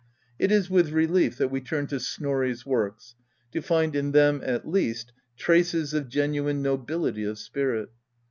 It is with relief that we turn to Snorri's works, to find in them, at least, traces of genuine nobility of spirit.